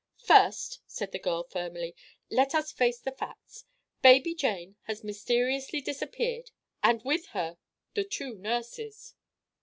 "First," said the girl, firmly, "let us face the facts. Baby Jane has mysteriously disappeared, and with her the two nurses."